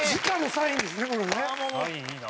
サインいいな。